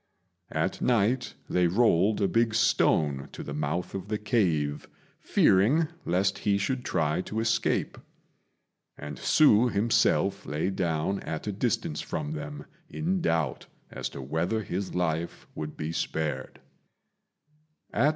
At night they rolled a big stone to the mouth of the cave, fearing lest he should try to escape; and Hsü himself lay down at a distance from them in doubt as to whether his life would be spared.